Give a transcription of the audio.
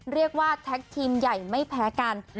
เรียกว่าแท็กทีมใหญ่ไม่แพ้กัน